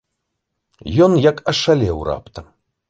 Ён як ашалеў раптам.